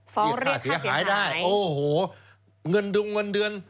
ฟ้องเรียกค่าเสียงภาคไหนโอ้โหเงินดุงเงินเดือน